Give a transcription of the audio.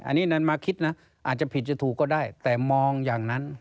อันนี้นั้นมาคิดนะอาจจะผิดจะถูกก็ได้แต่มองอย่างนั้น